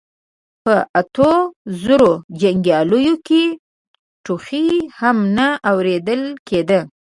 په اتو زرو جنګياليو کې ټوخی هم نه اورېدل کېده.